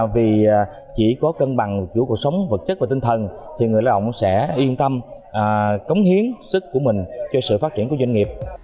vì chỉ có cân bằng của cuộc sống vật chất và tinh thần thì người lao động sẽ yên tâm cống hiến sức của mình cho sự phát triển của doanh nghiệp